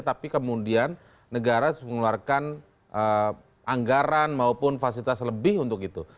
tapi kemudian negara mengeluarkan anggaran maupun fasilitas lebih untuk itu